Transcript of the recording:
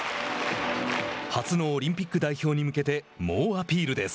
初のオリンピック代表に向けて猛アピールです。